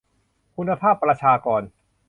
คุณภาพประชากร